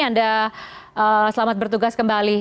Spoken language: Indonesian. anda selamat bertugas kembali